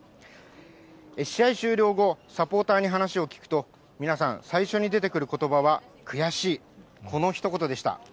試合終了後、サポーターに話を聞くと、皆さん、最初に出てくることばは、悔しい、このひと言でした。